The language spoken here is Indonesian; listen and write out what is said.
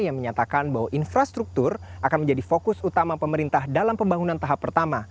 yang menyatakan bahwa infrastruktur akan menjadi fokus utama pemerintah dalam pembangunan tahap pertama